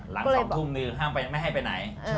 หลัง๒ทุ่มนึงไม่ให้ไปไหน